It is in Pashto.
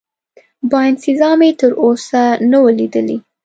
باینسیزا مې تراوسه نه وه لیدلې.